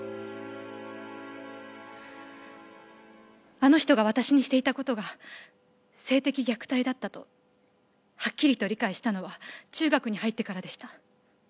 あの人が私にしていた事が性的虐待だったとはっきりと理解したのは中学に入ってからでした。